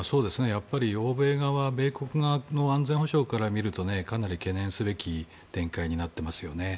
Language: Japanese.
欧米側、米国側の安全保障から見るとかなり懸念すべき展開になっていますね。